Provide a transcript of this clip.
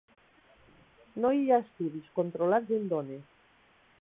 No hi ha estudis controlats en dones.